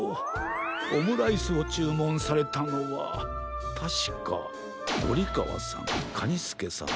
オムライスをちゅうもんされたのはたしかゴリかわさんカニスケさん